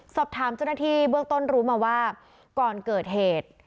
สอบถามเจ้าหน้าที่เบื้องต้นรู้มาว่าก่อนเกิดเหตุ